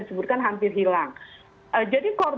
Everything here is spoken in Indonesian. disebutkan hampir hilang jadi